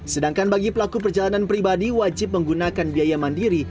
sedangkan bagi pelaku perjalanan pribadi wajib menggunakan biaya mandiri